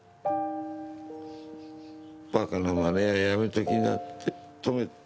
バカなまねはやめときなって止めて。